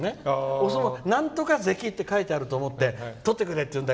お相撲の、なんとか関って書いてあると思って撮ってくれって言われて。